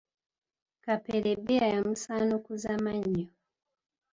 Kapere bbiya yamusaanukuza mmannyo .